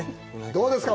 どうですか？